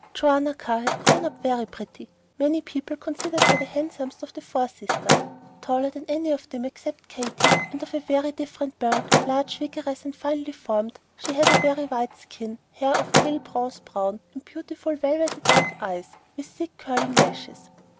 Joanna Carr had grown up very pretty; many people considered her the handsomest of the four sisters. Taller than any of them except Katy, and of quite a different build, large, vigorous, and finely formed, she had a very white skin, hair of pale bronze brown, and beautiful velvety dark eyes with thick curling lashes.